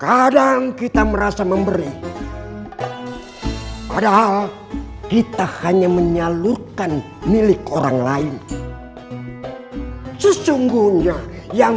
kadang kita merasa memberi padahal kita hanya menyalurkan milik orang lain sesungguhnya yang